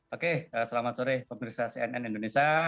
oke selamat sore pemirsa cnn indonesia